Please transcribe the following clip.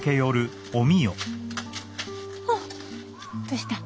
あどうした？